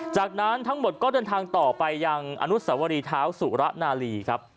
จากนั้นทั้งหมดก็เดินทางต่อไปยังอนุสวรีเท้าสุระนาลีครับ